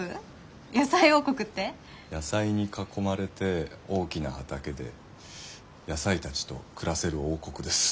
野菜に囲まれて大きな畑で野菜たちと暮らせる王国です。